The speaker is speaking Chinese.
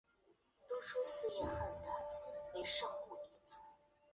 二十九年驻扎御前前军统制兼主管中军军马。